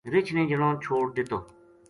رچھ نے جنو چھوڈ دتو